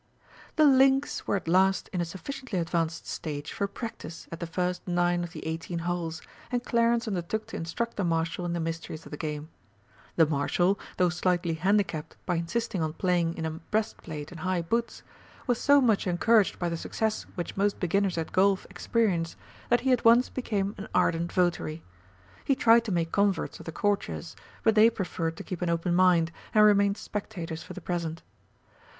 The links were at last in a sufficiently advanced stage for practice at the first nine of the eighteen holes, and Clarence undertook to instruct the Marshal in the mysteries of the game. The Marshal, though slightly handicapped by insisting on playing in a breastplate and high boots, was so much encouraged by the success which most beginners at golf experience that he at once became an ardent votary. He tried to make converts of the Courtiers, but they preferred to keep an open mind and remain spectators for the present.